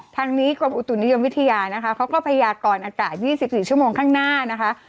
ทางนี้กรมอุตุนิยมวิทยานะคะเขาก็พยากรอากาศ๒๔ชั่วโมงข้างหน้านะคะ